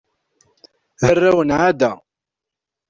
D arraw n Ɛada.